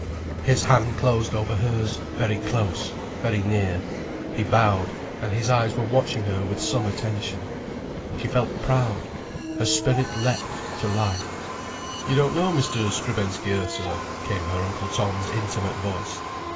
His hand closed over hers very close, very near, he bowed, and his eyes were watching her with some attention. She felt proud—her spirit leapt to life. "You don't know Mr. Skrebensky, Ursula," came her Uncle Tom's intimate voice.